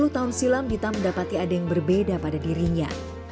sepuluh tahun silam dita mendapati ada yang berbeda pada dirinya